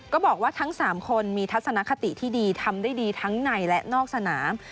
บอกว่าทั้ง๓คนมีทัศนคติที่ดีทำได้ดีทั้งในและนอกสนาม